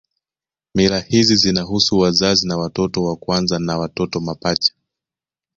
Mila hizi zinahusu wazazi na watoto wa kwanza na watoto mapacha